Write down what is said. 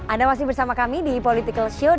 anda masih bersama kami di political show